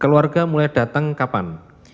keluarga mulai datang kapan